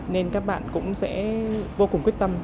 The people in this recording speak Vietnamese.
nên các bạn cũng sẽ vô cùng quyết tâm